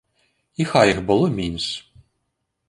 І хай іх было менш.